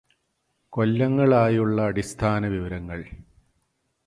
കൊല്ലങ്ങളായുള്ള അടിസ്ഥാന വിവരങ്ങള്